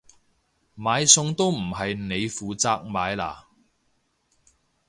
買餸都唔係你負責買啦？